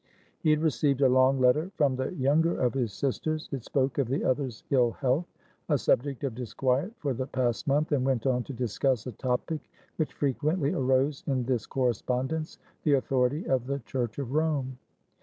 He had received a long letter from the younger of his sisters. It spoke of the other's ill health, a subject of disquiet for the past month, and went on to discuss a topic which frequently arose in this correspondencethe authority of the Church of Rome.